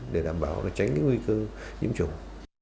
để đảm bảo tránh những nguy cư nhiễm trùng